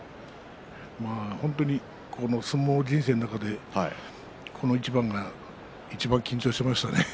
本当に相撲人生の中でこの一番がいちばん緊張しましたね。